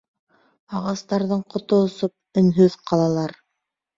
Ағастарҙың ҡото осоп, өнһөҙ ҡалалар.